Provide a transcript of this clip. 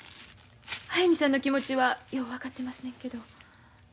速水さんの気持ちはよう分かってますねんけど。